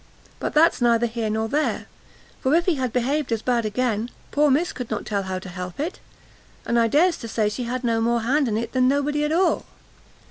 But that's neither here nor there, for if he had behaved as bad again, poor Miss could not tell how to help it; and I dares to say she had no more hand in it than nobody at all."